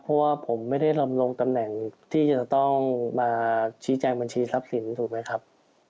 เพราะว่าผมไม่ได้ลำลงตำแหน่งที่จะต้องมาชี้แจงบัญชีทรัพย์สินถูกไหมครับ